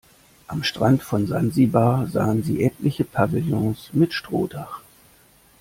Am Strand von Sansibar sahen sie etliche Pavillons mit Strohdach.